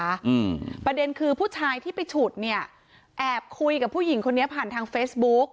อืมประเด็นคือผู้ชายที่ไปฉุดเนี้ยแอบคุยกับผู้หญิงคนนี้ผ่านทางเฟซบุ๊ก